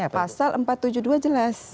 pasal empat ratus tujuh puluh dua jelas